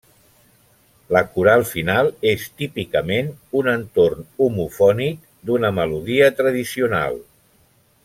La coral final és típicament un entorn homofònic d'una melodia tradicional.